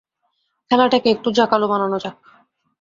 খেলাটাকে একটু জাঁকালো বানানো যাক?